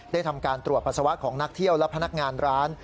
ทำการตรวจปัสสาวะของนักเที่ยวและพนักงานร้าน